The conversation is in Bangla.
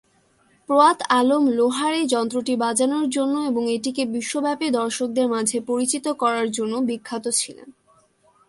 প্রয়াত আলম লোহার এই যন্ত্রটি বাজানোর জন্য এবং এটিকে বিশ্বব্যাপী দর্শকদের মাঝে পরিচিত করার জন্য বিখ্যাত ছিলেন।